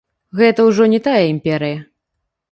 Гэта ўжо не тая імперыя.